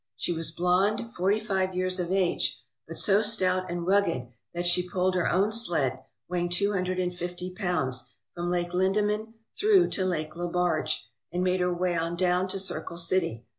She was blonde, forty five years of age, but so stout and rugged that she pulled her own sled, weighing two hundred and fifty pounds, from Lake Lindeman through to Lake Le Barge, and made her way on down to Circle City.